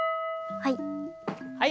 はい。